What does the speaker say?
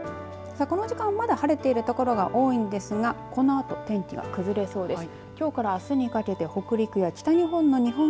さあ、この時間まだ晴れている所が多いんですがこのあと天気が崩れそうです。